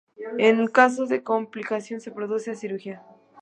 En casos de complicación se procede a cirugía.